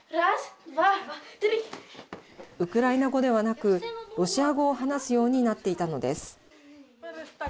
ウクライナ語ではなくロシア語を話すようになっていたのです。